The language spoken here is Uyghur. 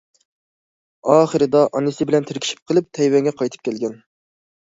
ئاخىرىدا ئانىسى بىلەن تىركىشىپ قېلىپ تەيۋەنگە قايتىپ كەلگەن.